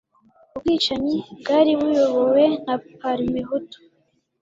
ubwicanyi bwari buyobowe na PARMEHUTU